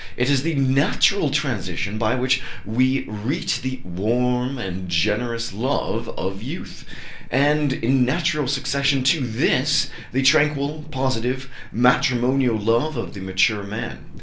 It is the natural transition by which we reach the warm and generous love of youth, and, in natural succession to this, the tranquil, positive, matrimonial love of the mature man."